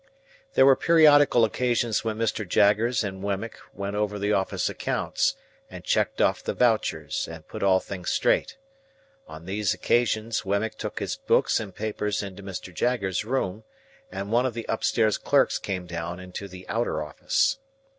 There were periodical occasions when Mr. Jaggers and Wemmick went over the office accounts, and checked off the vouchers, and put all things straight. On these occasions, Wemmick took his books and papers into Mr. Jaggers's room, and one of the upstairs clerks came down into the outer office.